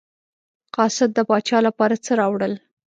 قاصد د پاچا لپاره څه راوړل.